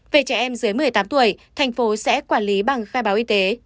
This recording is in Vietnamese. về trẻ em dưới một mươi tám tuổi thành phố sẽ quản lý bằng khai báo y tế